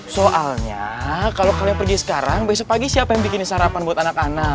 soalnya kalau kalian pergi sekarang besok pagi siapa yang bikin sarapan buat anak anak